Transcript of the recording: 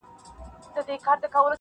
• پلار ویله د قاضي کمال څرګند سو,